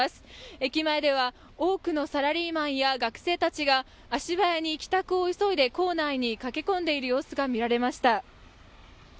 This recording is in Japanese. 駅前では多くのサラリーマンや学生たちが足早に帰宅を急いで構内に駆け込んでいる様子が見られました。